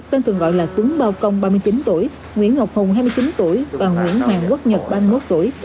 tên thường gọi là tuấn bao công ba mươi chín tuổi nguyễn ngọc hùng hai mươi chín tuổi và nguyễn hoàng quốc nhật ba mươi một tuổi